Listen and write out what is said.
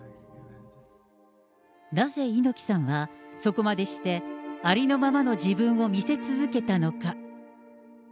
なぜ猪木さんは、そこまでしてありのままの自分を見せ続けたのか。